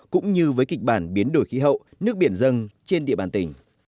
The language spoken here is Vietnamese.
cũng như với kịch bản biến đổi khí hậu nước biển dân trên địa bàn tỉnh